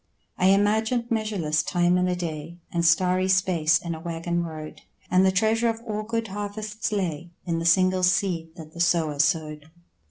I imagined measureless time in a day, And starry space in a waggon road, And the treasure of all good harvests lay In the single seed that the sower sowed.